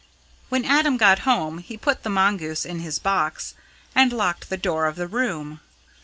When Adam got home, he put the mongoose in his box, and locked the door of the room.